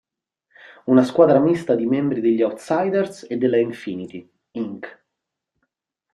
Una squadra mista di membri degli Outsiders e della Infinity, Inc.